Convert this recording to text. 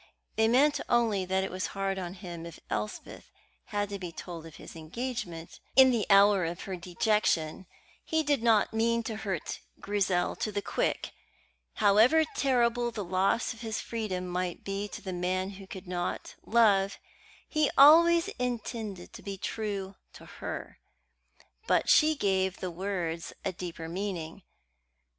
They meant only that it was hard on him if Elspeth had to be told of his engagement in the hour of her dejection. He did not mean to hurt Grizel to the quick. However terrible the loss of his freedom might be to the man who could not love, he always intended to be true to her. But she gave the words a deeper meaning.